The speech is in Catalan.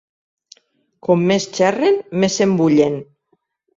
Com més xerren més s'embullen!